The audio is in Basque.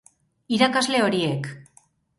Irakasle horiek: